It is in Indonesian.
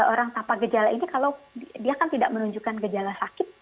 orang tanpa gejala ini kalau dia kan tidak menunjukkan gejala sakit